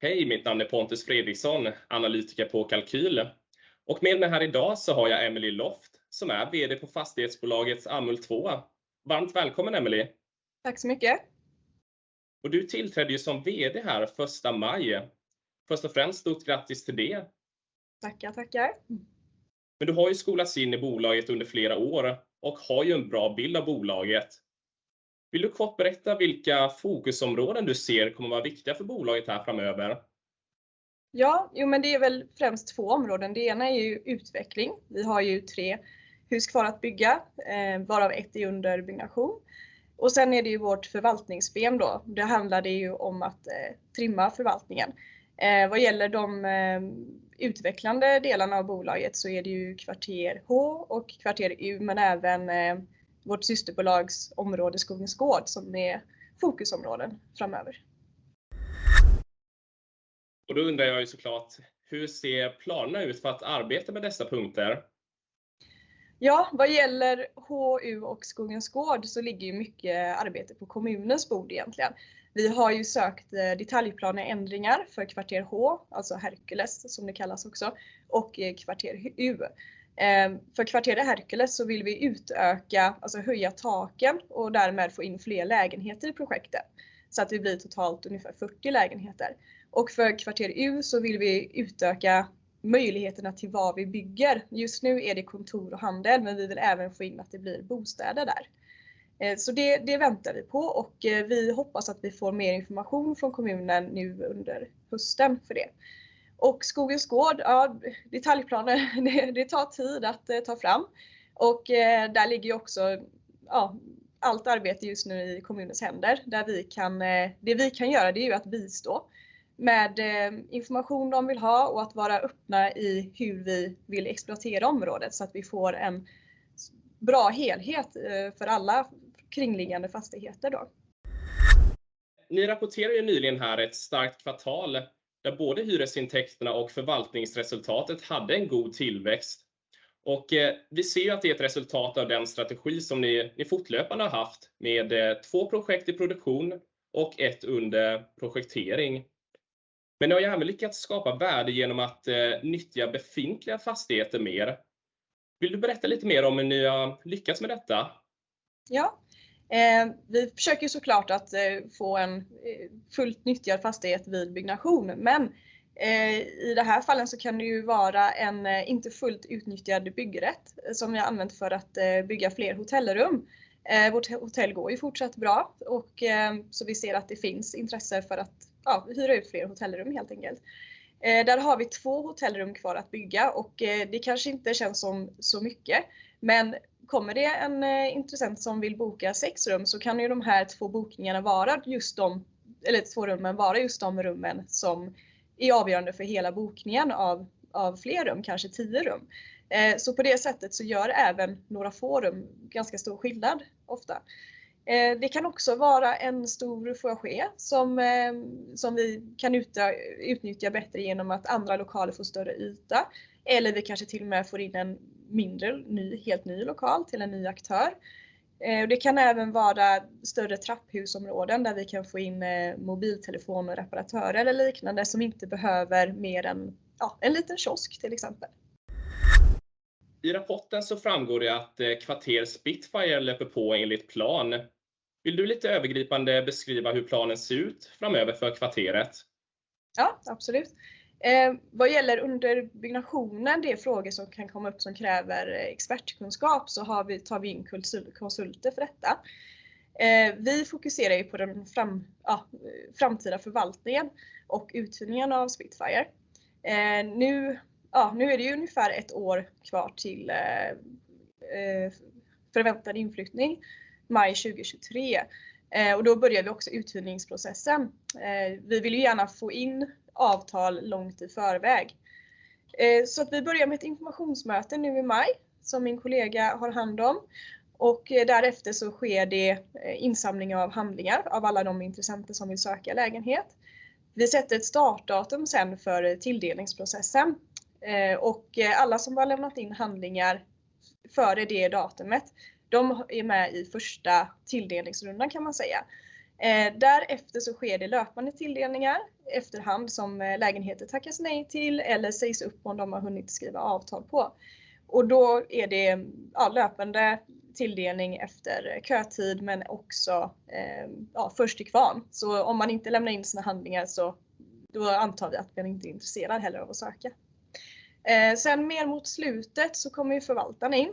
Hej, mitt namn är Pontus Fredriksson, analytiker på Kalqyl. Med mig här i dag så har jag Emilie Loft som är VD på fastighetsbolaget Amhult 2. Varmt välkommen, Emilie. Tack så mycket. Du tillträdde som VD här första maj. Först och främst stort grattis till det. Tackar, tackar. Du har ju skolats in i bolaget under flera år och har ju en bra bild av bolaget. Vill du kort berätta vilka fokusområden du ser kommer att vara viktiga för bolaget här framöver? Ja, jo men det är väl främst två områden. Det ena är ju utveckling. Vi har ju tre hus kvar att bygga, varav ett är under byggnation. Sen är det ju vårt förvaltningsben då. Det handlar det ju om att trimma förvaltningen. Vad gäller de utvecklande delarna av bolaget så är det ju kvarter H och kvarter U, men även vårt systerbolags område Skogens Gård som är fokusområden framöver. Då undrar jag ju såklart, hur ser planerna ut för att arbeta med dessa punkter? Vad gäller H, U och Skogens Gård så ligger ju mycket arbete på kommunens bord egentligen. Vi har ju sökt detaljplaneändringar för kvarter H, alltså Herkules som det kallas också, och kvarter U. För kvarteret Herkules så vill vi utöka, alltså höja taken och därmed få in fler lägenheter i projektet. Så att det blir totalt ungefär 40 lägenheter. För kvarter U så vill vi utöka möjligheterna till vad vi bygger. Just nu är det kontor och handel, men vi vill även få in att det blir bostäder där. Så det väntar vi på och vi hoppas att vi får mer information från kommunen nu under hösten för det. Skogens Gård, detaljplaner, det tar tid att ta fram och där ligger också allt arbete just nu i kommunens händer där vi kan. Det vi kan göra, det är ju att bistå med information de vill ha och att vara öppna i hur vi vill exploatera området så att vi får en bra helhet för alla kringliggande fastigheter då. Ni rapporterar ju nyligen här ett starkt kvartal där både hyresintäkterna och förvaltningsresultatet hade en god tillväxt. Vi ser att det är ett resultat av den strategi som ni fortlöpande haft med två projekt i produktion och ett under projektering. Ni har ju även lyckats skapa värde genom att nyttja befintliga fastigheter mer. Vill du berätta lite mer om hur ni har lyckats med detta? vi försöker så klart att få en fullt utnyttjad fastighet vid byggnation. i det här fallet så kan det ju vara en inte fullt utnyttjad byggrätt som vi har använt för att bygga fler hotellrum. vårt hotell går ju fortsatt bra och så vi ser att det finns intresse för att, ja, hyra ut fler hotellrum helt enkelt. där har vi 2 hotellrum kvar att bygga och det kanske inte känns som så mycket, men kommer det en intressent som vill boka 6 rum så kan ju de här två bokningarna vara just de, eller 2 rummen vara just de rummen som är avgörande för hela bokningen av fler rum, kanske 10 rum. så på det sättet så gör även några få rum ganska stor skillnad ofta. Det kan också vara en stor foajé som vi kan utnyttja bättre genom att andra lokaler får större yta. Eller vi kanske till och med får in en mindre, helt ny lokal till en ny aktör. Det kan även vara större trapphusområden där vi kan få in mobiltelefoner, reparatörer eller liknande som inte behöver mer än, ja, en liten kiosk till exempel. I rapporten så framgår det att kvarter Spitfire löper på enligt plan. Vill du lite övergripande beskriva hur planen ser ut framöver för kvarteret? Ja, absolut. Vad gäller under byggnationen, det är frågor som kan komma upp som kräver expertkunskap. Så har vi, tar vi in konsulter för detta. Vi fokuserar ju på framtida förvaltningen och uthyrningen av Spitfire. Nu är det ju ungefär ett år kvar till förväntad inflyttning maj 2023. Och då börjar vi också uthyrningsprocessen. Vi vill ju gärna få in avtal långt i förväg. Så att vi börjar med ett informationsmöte nu i maj som min kollega har hand om. Därefter så sker det insamling av handlingar av alla de intressenter som vill söka lägenhet. Vi sätter ett startdatum sen för tilldelningsprocessen. Och alla som har lämnat in handlingar före det datumet, de är med i första tilldelningsrundan kan man säga. Därefter sker det löpande tilldelningar efterhand som lägenheter tackas nej till eller sägs upp om de har hunnit skriva avtal på. Då är det löpande tilldelning efter kötid men också först till kvarn. Om man inte lämnar in sina handlingar så antar vi att man inte är intresserad heller av att söka. Sen mer mot slutet kommer förvaltaren in,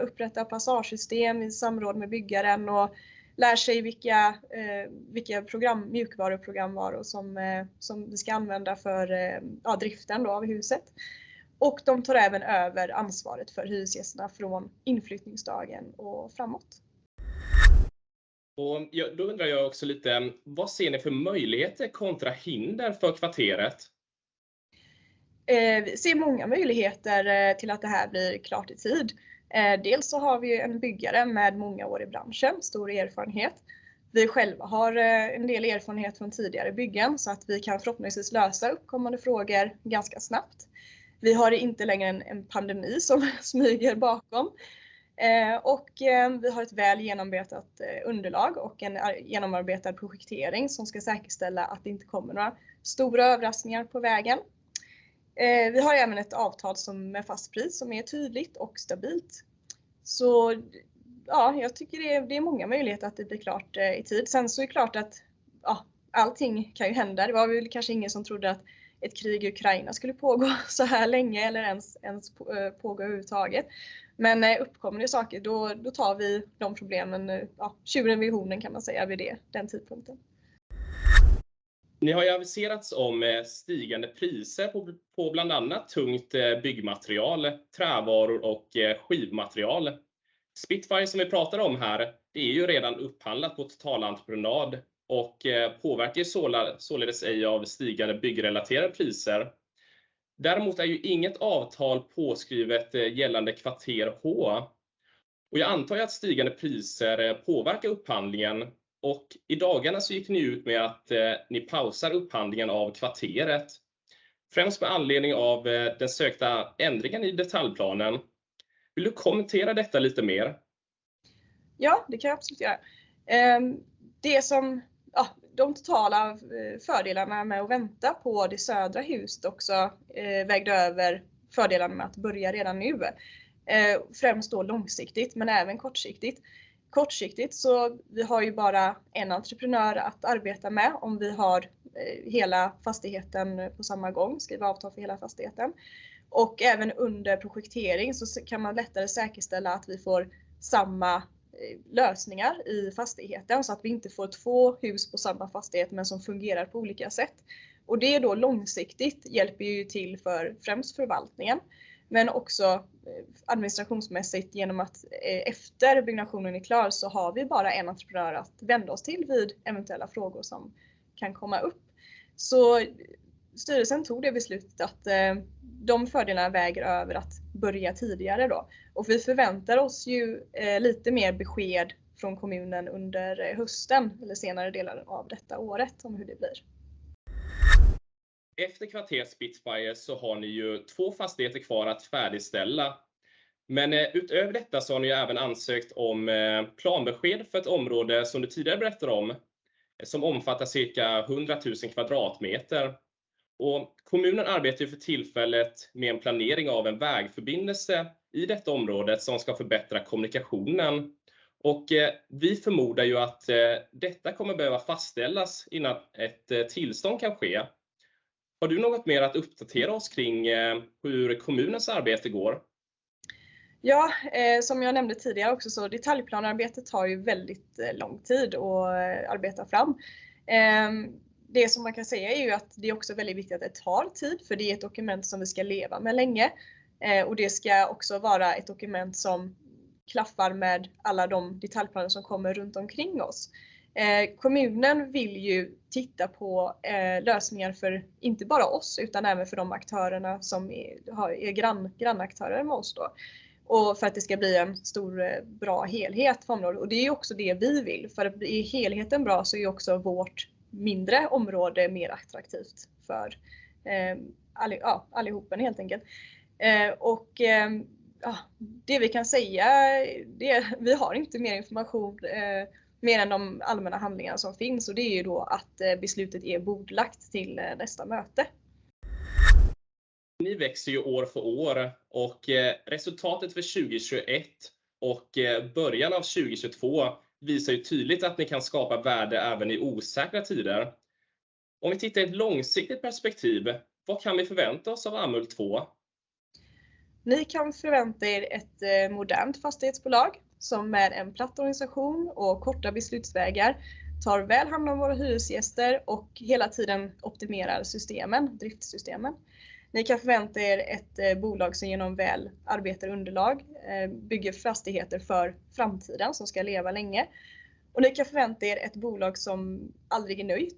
upprättar passagesystem i samråd med byggaren och lär sig vilka program, mjukvaruprogram som vi ska använda för driften av huset. De tar även över ansvaret för hyresgästerna från inflyttningsdagen och framåt. Undrar jag också lite, vad ser ni för möjligheter kontra hinder för kvarteret? Vi ser många möjligheter till att det här blir klart i tid. Dels så har vi en byggare med många år i branschen, stor erfarenhet. Vi själva har en del erfarenhet från tidigare byggen så att vi kan förhoppningsvis lösa uppkommande frågor ganska snabbt. Vi har inte längre en pandemi som smyger bakom. Vi har ett väl genomarbetat underlag och en genomarbetad projektering som ska säkerställa att det inte kommer några stora överraskningar på vägen. Vi har även ett avtal som är fast pris som är tydligt och stabilt. Så ja, jag tycker det är många möjligheter att det blir klart i tid. Sen så är det klart att, ja, allting kan ju hända. Det var väl kanske ingen som trodde att ett krig i Ukraina skulle pågå såhär länge eller ens pågå överhuvudtaget. Uppkommer det saker då tar vi problemen, ja, tjuren vid hornen kan man säga vid det, den tidpunkten. Ni har ju aviserats om stigande priser på bland annat tungt byggmaterial, trävaror och skivmaterial. Spitfire som vi pratar om här, det är ju redan upphandlat på totalentreprenad och påverkas således ej av stigande byggrelaterade priser. Däremot är ju inget avtal påskrivet gällande kvarter H. Jag antar att stigande priser påverkar upphandlingen och i dagarna så gick ni ut med att ni pausar upphandlingen av kvarteret. Främst med anledning av den sökta ändringen i detaljplanen. Vill du kommentera detta lite mer? Ja, det kan jag absolut göra. De totala fördelarna med att vänta på det södra huset också vägde över fördelarna med att börja redan nu. Främst då långsiktigt men även kortsiktigt. Kortsiktigt så vi har ju bara en entreprenör att arbeta med om vi har hela fastigheten på samma gång, skriva avtal för hela fastigheten. Även under projektering så kan man lättare säkerställa att vi får samma lösningar i fastigheten så att vi inte får två hus på samma fastighet men som fungerar på olika sätt. Det då långsiktigt hjälper ju till för främst förvaltningen, men också administrationsmässigt genom att efter byggnationen är klar så har vi bara en entreprenör att vända oss till vid eventuella frågor som kan komma upp. Styrelsen tog det beslutet att de fördelarna väger över att börja tidigare då. Vi förväntar oss ju lite mer besked från kommunen under hösten eller senare delar av detta året om hur det blir. Efter kvarteret Spitfire så har ni ju två fastigheter kvar att färdigställa. Men utöver detta så har ni även ansökt om planbesked för ett område som du tidigare berättade om som omfattar cirka 100,000 kvadratmeter. Och kommunen arbetar ju för tillfället med en planering av en vägförbindelse i detta området som ska förbättra kommunikationen. Och vi förmodar ju att detta kommer behöva fastställas innan ett tillstånd kan ske. Har du något mer att uppdatera oss kring hur kommunens arbete går? Som jag nämnde tidigare också så detaljplanearbetet tar ju väldigt lång tid att arbeta fram. Det som man kan säga är ju att det är också väldigt viktigt att det tar tid för det är ett dokument som vi ska leva med länge. Det ska också vara ett dokument som klaffar med alla de detaljplaner som kommer runt omkring oss. Kommunen vill ju titta på lösningar för inte bara oss, utan även för de aktörerna som är grannaktörer med oss då. För att det ska bli en stor bra helhet för området. Det är också det vi vill. För är helheten bra så är också vårt mindre område mer attraktivt för allihop helt enkelt. Det vi kan säga vi har inte mer information mer än de allmänna handlingar som finns. Det är ju då att beslutet är bordlagt till nästa möte. Ni växer ju år för år och resultatet för 2021 och början av 2022 visar ju tydligt att ni kan skapa värde även i osäkra tider. Om vi tittar i ett långsiktigt perspektiv, vad kan vi förvänta oss av Amhult 2? Ni kan förvänta er ett modernt fastighetsbolag som med en platt organisation och korta beslutsvägar tar väl hand om våra hyresgäster och hela tiden optimerar systemen, driftssystemen. Ni kan förvänta er ett bolag som genom väl arbetat underlag bygger fastigheter för framtiden som ska leva länge. Ni kan förvänta er ett bolag som aldrig är nöjd,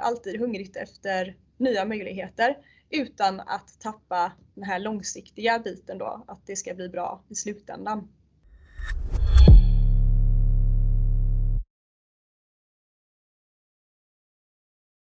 alltid hungrigt efter nya möjligheter utan att tappa den här långsiktiga biten då att det ska bli bra i slutändan.